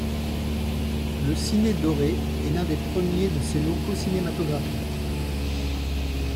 Le Cine Doré est l’un des premiers de ces locaux cinématographiques.